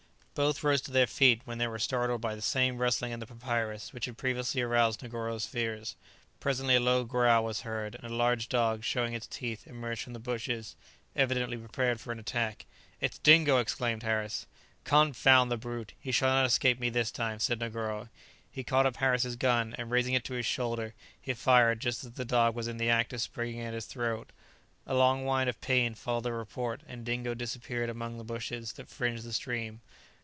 Both rose to their feet, when they were startled by the same rustling in the papyrus which had previously aroused Negoro's fears. Presently a low growl was heard, and a large dog, showing his teeth, emerged from the bushes, evidently prepared for an attack. "It's Dingo!" exclaimed Harris. "Confound the brute! he shall not escape me this time," said Negoro. He caught up Harris's gun, and raising it to his shoulder, he fired just as the dog was in the act of springing at his throat. A long whine of pain followed the report, and Dingo disappeared again amongst the bushes that fringed the stream.